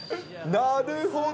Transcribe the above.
なるほど。